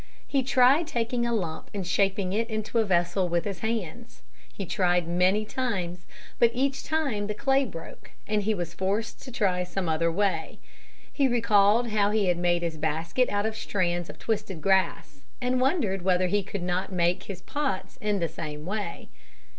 He tried taking a lump and shaping it into a vessel with his hands. He tried many times, but each time the clay broke and he was forced to try some other way. He recalled how he had made his basket out of strands of twisted grass and wondered whether he could not make his pots in the same way.